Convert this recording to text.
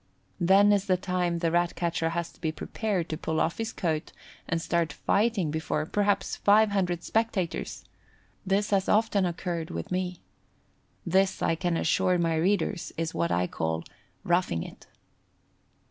Then is the time the Rat catcher has to be prepared to pull off his coat and start fighting before, perhaps, 500 spectators. This has often occurred with me. This, I can assure my readers, is what I call "roughing it."